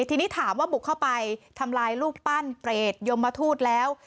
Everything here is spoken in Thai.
ทีนี้ถามว่าบุกเข้าไปทำลายรูปปั้นเปรตยมทูตแล้ว